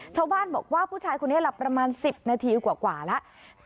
ชาวบ้านบอกว่าผู้ชายคนนี้หลับประมาณ๑๐นาทีกว่าแล้ว